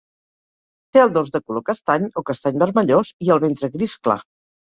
Té el dors de color castany o castany vermellós i el ventre gris clar.